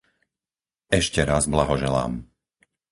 Ešte raz blahoželám.